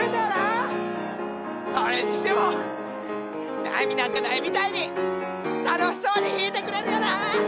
それにしても悩みなんかないみたいに楽しそうに弾いてくれるよな！